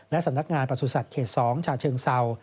และสำนักงานประสุทธิ์เขต๒ฉาเชิงเศร้า